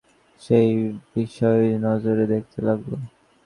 যে-লোক আমাকে এত পছন্দ করত, সে-ই বিষনজরে দেখতে লাগল।